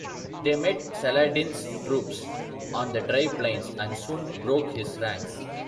They met Saladin's troops on the dry plains and soon broke his ranks.